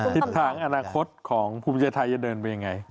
ทิศทางอนาคตของภูมิใจไทยจะเดินไปยังไง